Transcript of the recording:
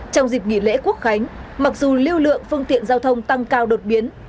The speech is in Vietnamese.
trong dịp nghỉ lễ quốc khánh mặc dù lưu lượng phương tiện giao thông tăng cao đột biến